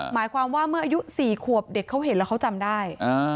หมายความว่าเมื่ออายุ๔ขวบเด็กเขาเห็นแล้วเขาจำได้